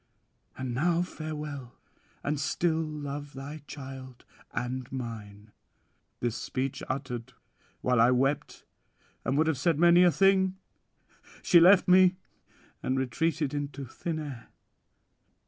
And now farewell, and still love thy child and mine." This speech uttered, while I wept and would have said many a thing, she left me and retreated into thin air.